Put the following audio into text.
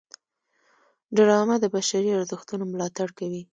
ډرامه د بشري ارزښتونو ملاتړ کوي